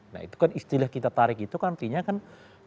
nah itu kan istilah kita tarik itu kan artinya kan